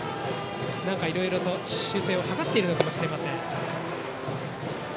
いろいろ修正を図っているのかもしれません。